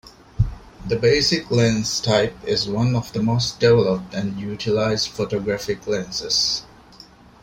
The basic lens type is one of the most developed and utilized photographic lenses.